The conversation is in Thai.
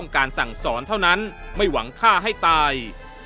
การสั่งสอนเท่านั้นไม่หวังฆ่าให้ตาย